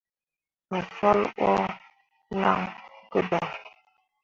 Fah swal ɓo lan gǝdaŋ.